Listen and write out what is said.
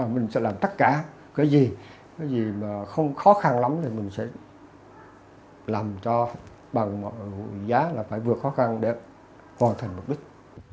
mình sẽ làm tất cả cái gì cái gì mà không khó khăn lắm thì mình sẽ làm cho bằng giá là phải vượt khó khăn để hoàn thành mục đích